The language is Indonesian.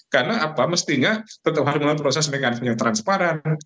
karena apa mestinya tetap harus melakukan proses dengan transparan